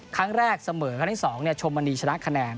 ครั้งแรกเสมอครั้งที่๒ชมมณีชนะคะแนน